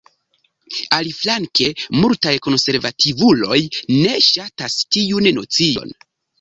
Aliflanke multaj konservativuloj ne ŝatas tiun nocion.